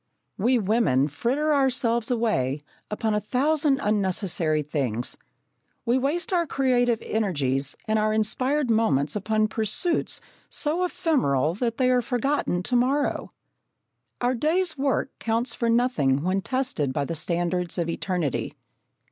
We women fritter ourselves away upon a thousand unnecessary things. We waste our creative energies and our inspired moments upon pursuits so ephemeral that they are forgotten to morrow. Our day's work counts for nothing when tested by the standards of eternity.